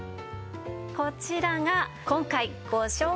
こちらが今回ご紹介します